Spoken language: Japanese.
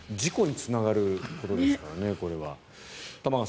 事故につながることですからね。